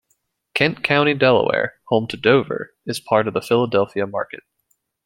Kent County, Delaware, home to Dover, is part of the Philadelphia market.